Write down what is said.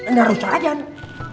nggak rusak aja nih